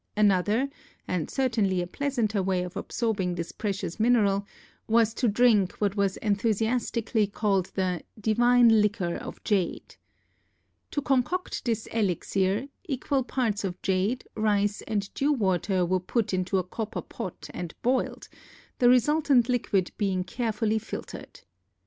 Another, and certainly a pleasanter way of absorbing this precious mineral, was to drink what was enthusiastically called the "divine liquor of jade." To concoct this elixir equal parts of jade, rice, and dew water were put into a copper pot and boiled, the resultant liquid being carefully filtered.